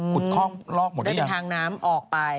ขุดคลองลอกหมดได้ยังได้ไปทางน้ำออกไป